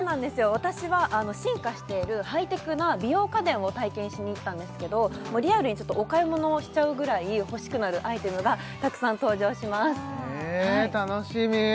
私は進化しているハイテクな美容家電を体験しに行ったんですけどリアルにお買い物をしちゃうぐらい欲しくなるアイテムがたくさん登場しますわあえ